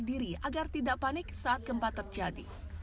diri agar tidak panik saat gempa terjadi